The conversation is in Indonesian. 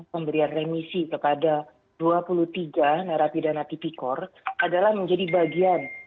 pemberian remisi kepada dua puluh tiga narapidana tipikor adalah menjadi bagian